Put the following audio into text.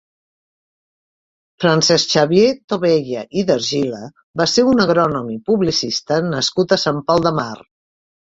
Francesc Xavier Tobella i d'Argila va ser un agrònom i publicista nascut a Sant Pol de Mar.